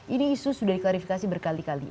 ini isu sudah diklarifikasi berkali kali